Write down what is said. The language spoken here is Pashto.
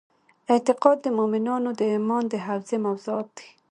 اعتقاد د مومنانو د ایمان د حوزې موضوعات دي.